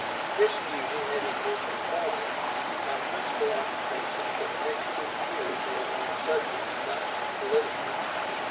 This duty having been performed, my principal occupation for the next two years was on subjects not political.